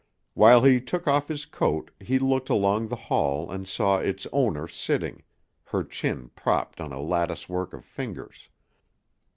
While he took off his coat he looked along the hall and saw its owner sitting, her chin propped on a latticework of fingers.